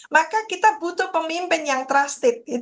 maka kita butuh pemimpin yang trusted